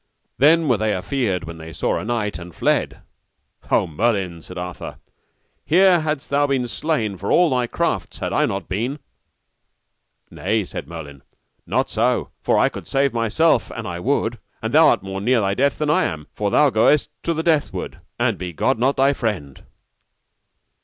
then were they afeard when they saw a knight, and fled. O Merlin, said Arthur, here hadst thou been slain for all thy crafts had I not been. Nay, said Merlin, not so, for I could save myself an I would; and thou art more near thy death than I am, for thou goest to the deathward, an God be not thy friend.